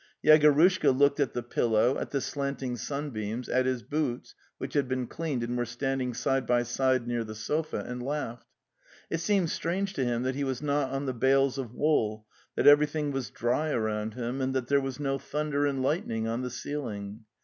Yegorushka looked at the pillow, at the slanting sunbeams, at his boots, which had been cleaned and were standing side by side near the sofa, and laughed. It seemed strange to him that he was not on the bales of wool, that everything was dry around him, and that there was no thunder and lightning on the ceiling.